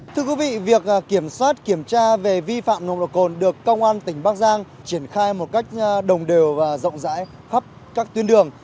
thưa quý vị việc kiểm soát kiểm tra về vi phạm nồng độ cồn được công an tỉnh bắc giang triển khai một cách đồng đều và rộng rãi khắp các tuyến đường